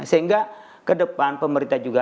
sehingga ke depan pemerintah juga